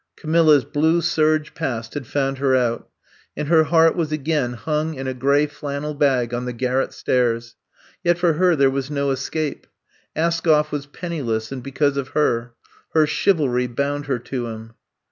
'' Camilla's blue serge past had found her out, and her heart was again hung in a gray flannel bag on the garret stairs. Yet for her there was no escape. Askoff was pen niless, and because of her. Her chivalry bound her to him.